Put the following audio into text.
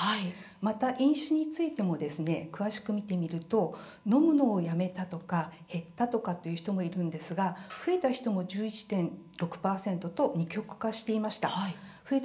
また飲酒についても詳しく見てみると飲むのをやめたとか減ったとかという人もいるんですが増えた人も１１．６％と二極化していました。